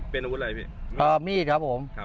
เป็นอาวุธอะไรพี่มีดครับผมครับ